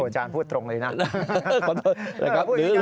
อาจารย์พูดตรงเลยนะ